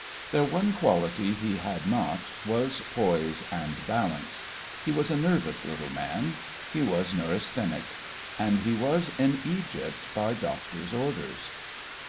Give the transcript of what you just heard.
Their one quality he had not was poise and balance. He was a nervous little man; he was neurasthenic. And he was in Egypt by doctor's orders.